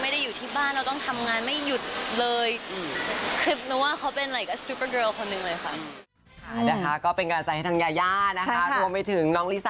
ไม่ได้อยู่ที่บ้านแล้วก็ต้องทำงานไม่หยุดเลย